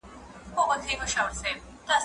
زه اجازه لرم چي سبزیحات پاختم؟